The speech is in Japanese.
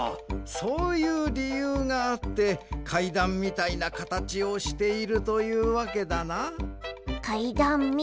そういうりゆうがあってかいだんみたいなかたちをしているというわけだな。